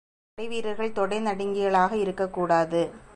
படைவீரர்கள் தொடை நடுங்கிகளாக இருக்கக் கூடாது.